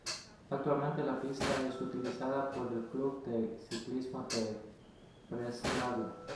Actualmente la pista es utilizada por el club de ciclismo de Breslavia.